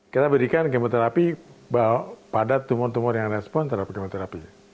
kita berikan kemoterapi pada tumor tumor yang respon terhadap kemoterapi